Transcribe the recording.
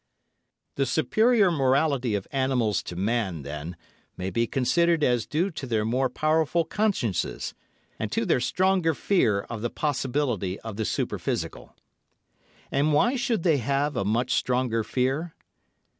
The superior morality of animals to man, then, may be considered as due to their more powerful consciences, and to their stronger fear of the possibility of the superphysical. And why should they have a much stronger fear?